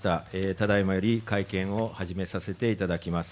ただいまより会見を始めさせていただきます。